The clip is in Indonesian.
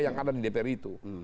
yang ada di dprd